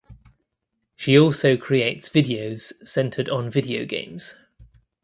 She also creates videos centered on video games.